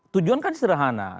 tujuan kan sederhana